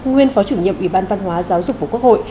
nguyên phó chủ nhiệm ủy ban văn hóa giáo dục của quốc hội